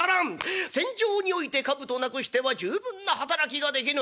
戦場において兜なくしては十分な働きができぬ。